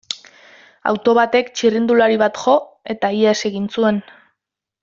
Auto batek txirrindulari bat jo, eta ihes egin zuen.